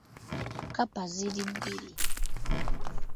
Kkapa ziri bbiri .